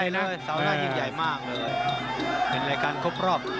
ยิ่งใหญ่มากเลยเป็นรายการครบรอบ